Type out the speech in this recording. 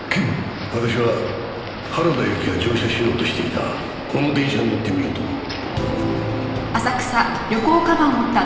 私は原田由紀が乗車しようとしていたこの電車に乗ってみようと思う。